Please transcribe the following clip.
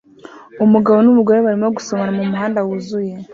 Umugabo numugore barimo gusomana mumuhanda wuzuye